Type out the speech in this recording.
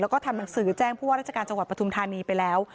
แล้วก็ทำหนังสือแจ้งผู้ว่าราชการจังหวัดปทุมธานีไปแล้ว